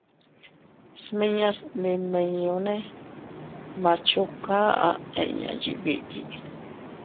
Smiñas ndimiñunne «Machuca» aʼa inña yiʼi biʼi.